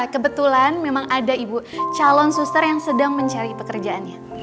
kebetulan memang ada ibu calon suster yang sedang mencari pekerjaannya